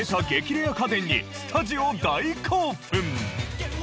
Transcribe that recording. レア家電にスタジオ大興奮！